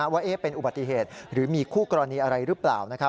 ว่าเป็นอุบัติเหตุหรือมีคู่กรณีอะไรหรือเปล่า